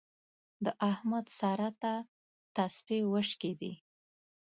د احمد سارا ته تسپې وشکېدې.